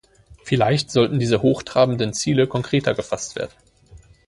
Vielleicht sollten diese hochtrabenden Ziele konkreter gefasst werden.